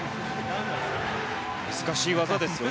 難しい技ですよね。